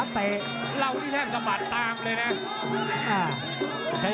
ติ้งขวาจิ้นขวาจิ้นขวาจิ้นขวา